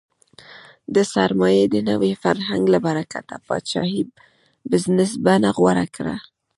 د سرمایې د نوي فرهنګ له برکته پاچاهۍ بزنس بڼه غوره کړې.